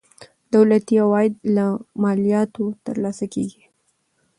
دولتي عواید له مالیاتو ترلاسه کیږي.